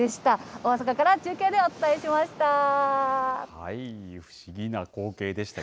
大阪から中継でお伝えしました。